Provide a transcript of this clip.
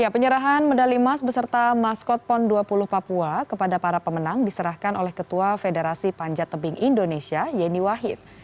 penyerahan medali emas beserta maskot pon dua puluh papua kepada para pemenang diserahkan oleh ketua federasi panjat tebing indonesia yeni wahid